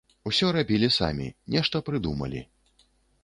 Усё рабілі самі, нешта прыдумалі.